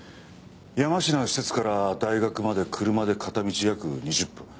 山科の施設から大学まで車で片道約２０分。